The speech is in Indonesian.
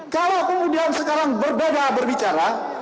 kalau kemudian sekarang berbeda berbicara